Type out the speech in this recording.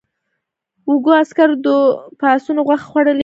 وږو عسکرو به د آسونو غوښې خوړلې.